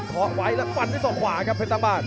เคาะไว้แล้วฟันที่สองขวาครับเพชรสร้างบ้าน